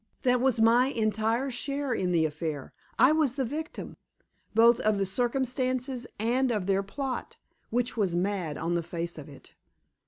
That was my entire share in the affair. I was the victim, both of circumstances and of their plot, which was mad on the face of it.